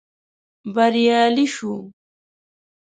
بريالي شوو.